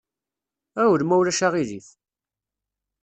Ɣiwel ma ulac aɣilif!